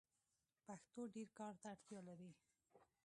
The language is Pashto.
پښتو ډير کار ته اړتیا لري.